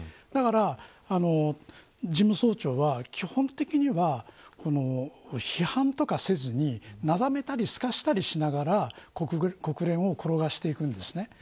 だから、事務総長は基本的には批判をせずになだめたり、すかしたりしながら国連を転がしてくんです。